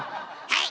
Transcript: はい。